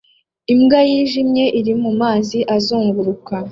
Imbwa yijimye iri mumazi azunguruka